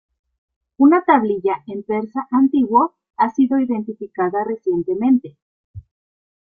Una tablilla en persa antiguo ha sido identificada recientemente.